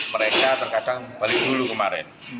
mereka terkadang balik dulu kemarin